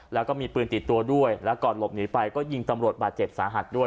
แล้วก็มีปืนติดตัวด้วยแล้วก่อนหลบหนีไปก็ยิงตำรวจบาดเจ็บสาหัสด้วย